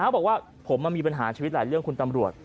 บอกว่าผมมีปัญหาชีวิตหลายเรื่องคุณตำรวจ